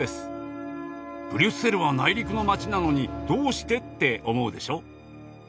「ブリュッセルは内陸の街なのにどうして？」って思うでしょ？